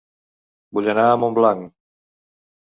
Vull anar a Montblanc